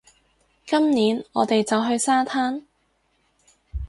今年，我哋就去沙灘